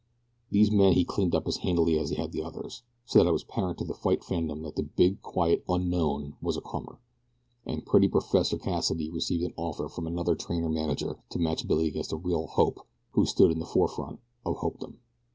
These men he cleaned up as handily as he had the others, so that it was apparent to fight fandom that the big, quiet "unknown" was a comer; and pretty soon Professor Cassidy received an offer from another trainer manager to match Billy against a real "hope" who stood in the forefront of hopedom.